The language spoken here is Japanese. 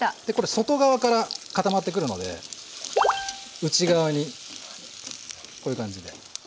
でこれ外側から固まってくるので内側にこういう感じで。